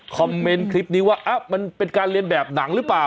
คอมเมนต์คลิปนี้ว่ามันเป็นการเรียนแบบหนังหรือเปล่า